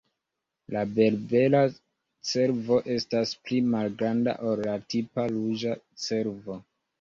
La Berbera cervo estas pli malgranda ol la tipa ruĝa cervo.